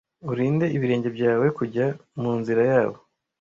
Urinde ibirenge byawe kujya mu nzira yabo,